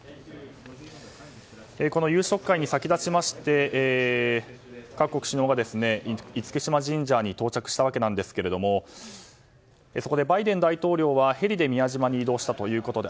この夕食会に先立ちまして各国首脳が厳島神社に到着したわけなんですがバイデン大統領はヘリで宮島に移動したということで。